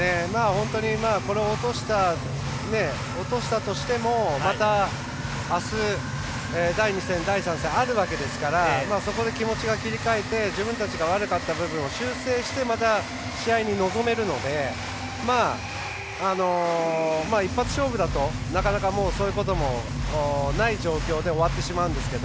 これを落としたとしてもまた第２戦、第３戦あるわけですから、そこで気持ち切り替えて自分たちの悪かった部分を修正して、また試合に臨めるので一発勝負だと、なかなかそういうこともない状況で終わってしまうんですけど